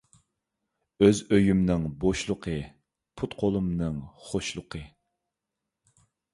ئۆز ئۆيۈمنىڭ بوشلۇقى، پۇت – قولۇمنىڭ خوشلۇقى.